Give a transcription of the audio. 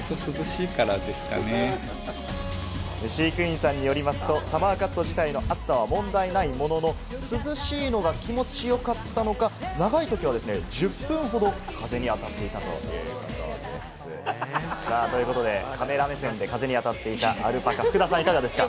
飼育員さんによりますと、サマーカット自体の暑さは問題ないものの、涼しいのが気持ち良かったのか、長いときはですね、１０分ほど風に当たっているということです。ということでカメラ目線で、風に当たっていたアルパカ、福田さん、いかがですか？